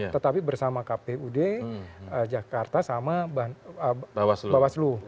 tetapi bersama kpud jakarta sama bawaslu